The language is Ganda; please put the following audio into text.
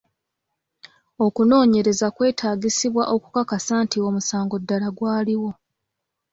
Okunoonyereza kwetaagisibwa okukakasa nti omusango ddala gwaliwo.